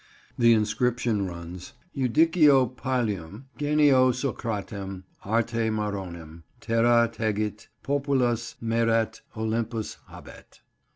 The inscription runs— "Ivdicio Pylivm, genio Socratem, arte Maronem, Terra tegit, popvlvs mæret, Olympus habet."